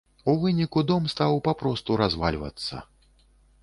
У выніку дом стаў папросту развальвацца.